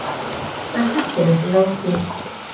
Mae'r testun wedi'i olygu.